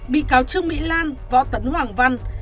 bị cáo trương mỹ lan võ tấn hoàng văn